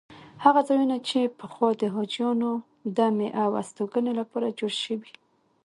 هغه ځایونه چې پخوا د حاجیانو دمې او استوګنې لپاره جوړ شوي.